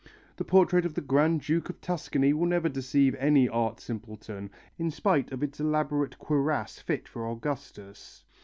The portrait of the Grand Duke of Tuscany will never deceive any art simpleton, in spite of its elaborate cuirass fit for Augustus.